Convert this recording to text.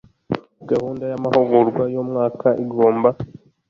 Gahunda y amahugurwa y umwaka igomba